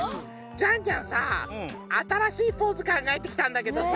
ジャンジャンさあたらしいポーズかんがえてきたんだけどさ。